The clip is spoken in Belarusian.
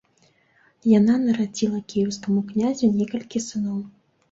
Яна нарадзіла кіеўскаму князю некалькі сыноў.